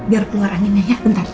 biar keluar anginnya ya bentar